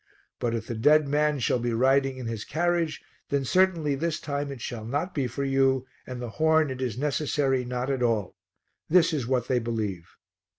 But if the dead man shall be riding in his carriage, then certainly this time it shall not be for you and the horn it is necessary not at all. This is what they believe."